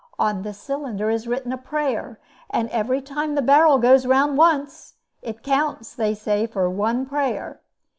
On this cylinder is written a prayer, and every time the barrel goes round once, it counts, they say, for one prayer.